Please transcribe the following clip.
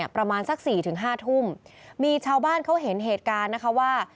ประมาณสัก๔๕ทุ่มมีชาวบ้านเขาเห็นเหตุการณ์นะคะว่า